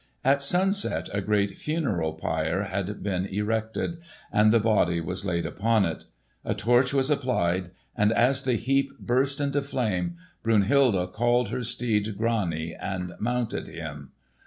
At sunset a great funeral pyre had been erected, and the body was laid upon it. A torch was applied and as the heap burst into flame, Brunhilde called her steed Grani and mounted him.